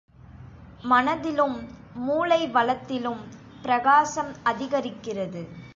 மனதிலும் மூளை வளத்திலும் பிரகாசம் அதிகரிக்கிறது.